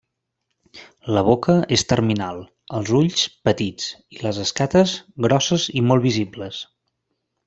La boca és terminal, els ulls petits, i les escates grosses i molt visibles.